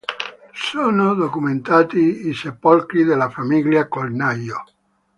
Sono documentati i sepolcri della famiglia Colnago.